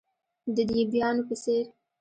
د دیبانو په څیر،